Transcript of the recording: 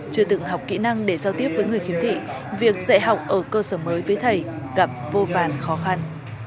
chưa từng học kỹ năng để giao tiếp với người khiếm thị việc dạy học ở cơ sở mới với thầy gặp vô vàn khó khăn